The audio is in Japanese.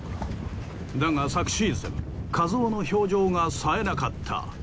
だが昨シーズン一夫の表情が冴えなかった。